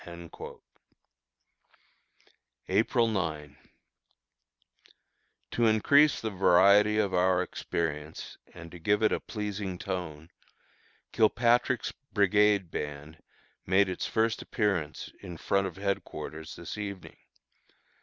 April 9. To increase the variety of our experience, and to give it a pleasing tone, Kilpatrick's brigade band made its first appearance in front of headquarters this evening.